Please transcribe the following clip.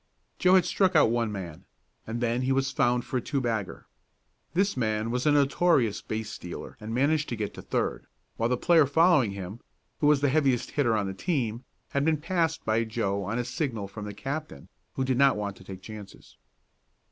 Joe had struck out one man, and then he was found for a two bagger. This man was a notorious base stealer and managed to get to third, while the player following him, who was the heaviest hitter on the team, had been passed by Joe on a signal from the captain, who did not want to take chances.